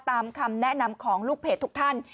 คำแนะนำของลูกเพจทุกท่าน